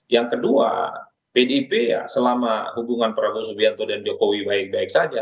yang kedua pdip ya selama hubungan prabowo subianto dan jokowi baik baik saja